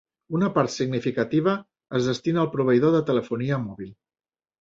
Una part significativa es destina al proveïdor de telefonia mòbil.